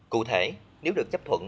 cụ thể nếu được chấp thuận